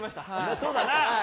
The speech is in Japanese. そうだな。